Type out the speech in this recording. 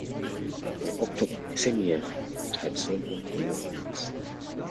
By October of the same year it had sold one million units.